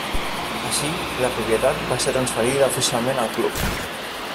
Així, la propietat va ser transferida oficialment al club.